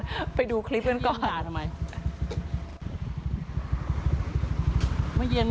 กล้ากล้าขนาดนี้หนึ่งเหรอ